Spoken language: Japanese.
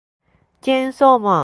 チェーンソーマン